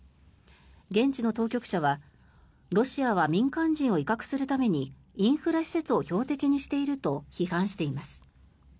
現地の当局者はロシアは民間人を威嚇するためにインフラ施設を標的にしていると批判しています。